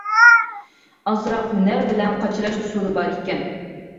ئازراق ھۈنەر بىلەن قاچىلاش ئۇسۇلى بار ئىكەن.